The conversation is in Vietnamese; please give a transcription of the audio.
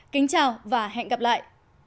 kính chào và hẹn gặp lại